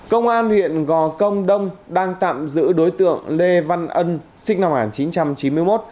công an huyện gò công đông đang tạm giữ đối tượng lê văn ân sinh năm một nghìn chín trăm chín mươi một